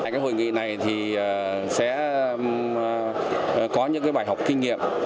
cái hội nghị này thì sẽ có những cái bài học kinh nghiệm